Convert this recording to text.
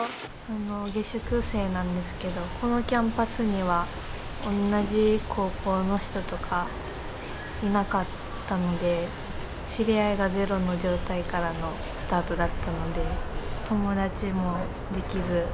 下宿生なんですけどこのキャンパスにはおんなじ高校の人とかいなかったので知り合いがゼロの状態からのスタートだったので友達もできず。